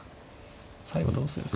最後どうするか。